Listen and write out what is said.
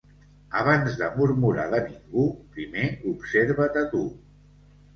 Abans de murmurar de ningú, primer observa't a tu.